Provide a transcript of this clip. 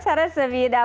saya selamat datang